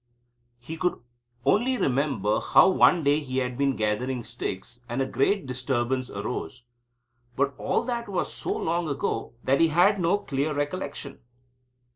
He could only remember how one day he had been gathering sticks, and a great disturbance arose. But all that was so long ago, that he had no clear recollection.